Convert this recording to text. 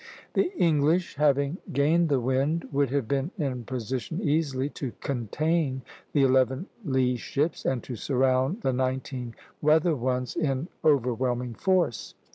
The English, having gained the wind, would have been in position easily to "contain" the eleven lee ships, and to surround the nineteen weather ones in overwhelming force.